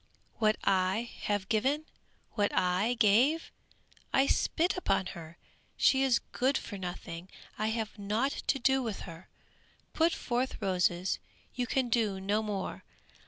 "What I have given? What I give? I spit upon her! She is good for nothing! I have nought to do with her. Put forth roses, you can do no more!